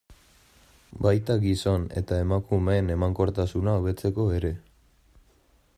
Baita gizon eta emakumeen emankortasuna hobetzeko ere.